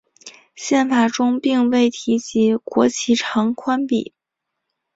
宪法中并未提及国旗长宽比。